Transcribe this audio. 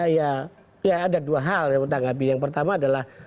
ya ada dua hal yang pertama adalah